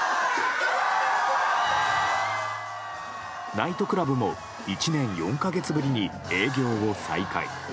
ナイトクラブも１年４か月ぶりに営業を再開。